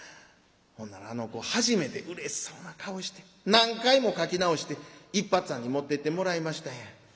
ほんならあの子初めてうれしそうな顔して何回も書き直していっぱっつぁんに持ってってもらいましたんや。